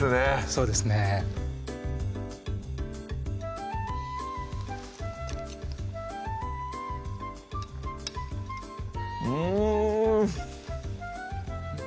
そうですねうん！